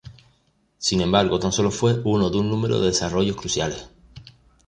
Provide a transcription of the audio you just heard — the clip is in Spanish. Sin embargo tan solo fue uno de un número de desarrollos cruciales.